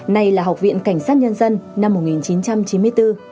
nay là học viện cảnh sát nhân dân năm một nghìn chín trăm chín mươi bốn